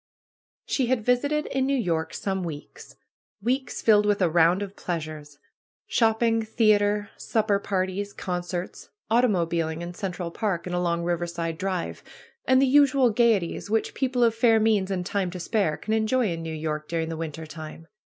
She had visited in New York some weeks. Weeks filled with a round of pleasures; shopping, theaters. PRUE'S GARDENER 211 supper parties, concerts, automobiling in Central Park and along Riverside Drive, and the usual gayeties which people of fair means and time to spare can enjoy in New York during the winter time.